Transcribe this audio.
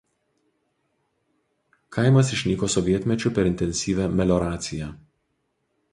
Kaimas išnyko sovietmečiu per intensyvią melioraciją.